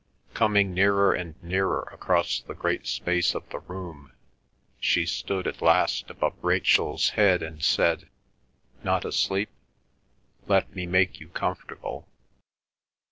Coming nearer and nearer across the great space of the room, she stood at last above Rachel's head and said, "Not asleep? Let me make you comfortable."